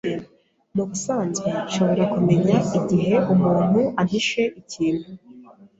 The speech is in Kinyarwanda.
Mubisanzwe nshobora kumenya igihe umuntu ampishe ikintu.